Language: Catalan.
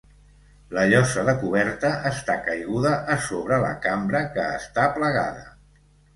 La llosa de coberta està caiguda a sobre la cambra que està plegada.